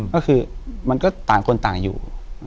ก็คือมันก็ต่างคนต่างอยู่